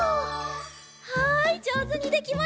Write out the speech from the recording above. はいじょうずにできました。